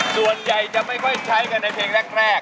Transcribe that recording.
ส่วนใหญ่จะไม่ค่อยใช้กันในเพลงแรก